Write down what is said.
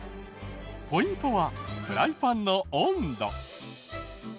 ポイントはフライパンの温度。